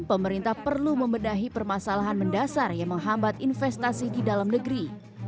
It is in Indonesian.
pemerintah perlu membedahi permasalahan mendasar yang menghambat investasi di dalam negeri